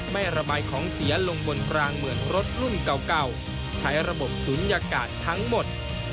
ไม่ระบายของเสียลงบนกลางเหมือนรถรุ่นเก่าใช้ระบบศูนยากาศทั้งหมด